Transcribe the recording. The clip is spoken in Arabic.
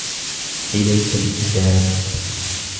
إليك بكتاب.